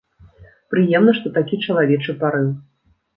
Прыемна, што такі чалавечы парыў.